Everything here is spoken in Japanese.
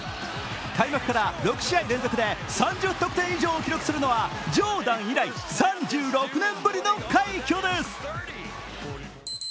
開幕から６試合連続で３０得点以上を記録するのはジョーダン以来３６年ぶりの快挙です。